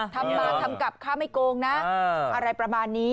ทำมาทำกับข้าไม่โกงนะอะไรประมาณนี้